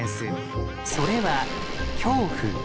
それは「恐怖」。